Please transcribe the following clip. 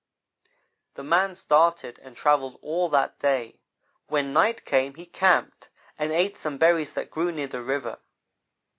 "The man started and travelled all that day. When night came he camped and ate some berries that grew near the river.